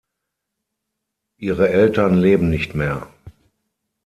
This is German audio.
Ihre Eltern leben nicht mehr.